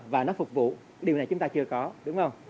và nó phục vụ điều này chúng ta chưa có đúng không